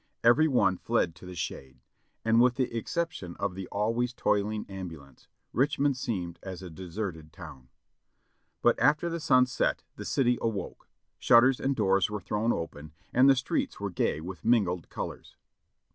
Every one fled to the shade, and with the exception of the always toiling ambulance, Richmond seemed as a deserted town. But after the sun set the city awoke; shutters and doors were thrown open and the streets were gay with mingled colors.